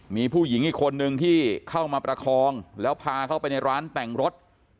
มีผู้หญิงอีกคนนึงที่เข้ามาประคองแล้วพาเข้าไปในร้านแต่งรถ